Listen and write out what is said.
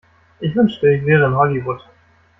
Ich wünschte, ich wäre in Hollywood.